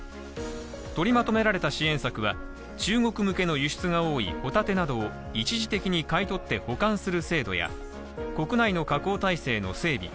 とりまとめられた支援策は中国向けの輸出が多いホタテなどを一時的に買い取って保管する制度や国内の加工体制の整備